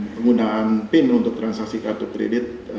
penggunaan pin untuk transaksi kartu kredit